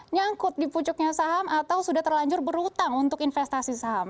nyangkut di pucuknya saham atau sudah terlanjur berhutang untuk investasi saham